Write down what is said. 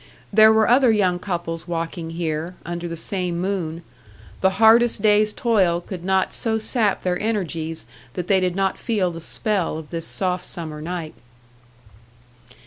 There were other young couples walking here, under the same moon; the hardest day's toil could not so sap their energies that they did not feel the spell of this soft summer night.